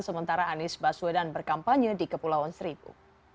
sementara anies baswedan berkampanye di kepulauan seribu